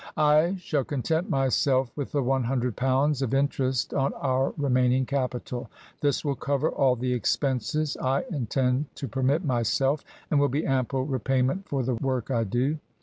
I shall content myself with the one hundred pounds of in terest on our remaining capital. This will cover all the expenses I intend to permit myself, and will be ample repayment for the work I do.